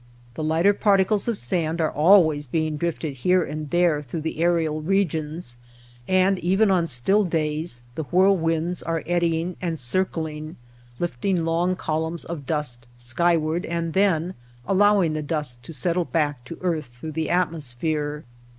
The lighter particles of sand are always being drifted here and there through the aerial regions, and even on still days the whirlwinds are eddying and circling, lifting long columns of dust skyward and then allowing the dust to settle back to earth through the atmosphere.